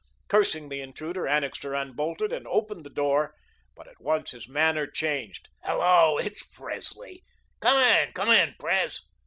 Cursing the intruder, Annixter unbolted and opened the door. But at once his manner changed. "Hello. It's Presley. Come in, come in, Pres."